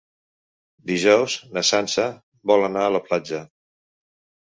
Dijous na Sança vol anar a la platja.